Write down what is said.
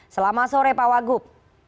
selamat sore pak wagup